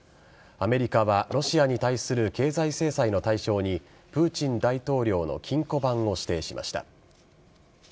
アメリカはロシアに対する経済制裁の対象にプーチン大統領の金庫番を指定しました。